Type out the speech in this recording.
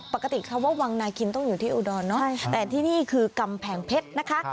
ปกติเขาว่าวังนาคินต้องอยู่ที่อุดรแต่ที่นี่คือกำแผงเพชร